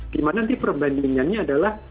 di mana nanti perbandingannya adalah